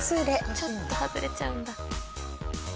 ちょっと外れちゃうんだ。